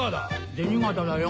銭形だよ。